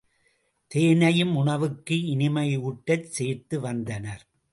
தேனையும் உணவுக்கு இனிமையூட்டச் சேர்த்து வந்தனர்.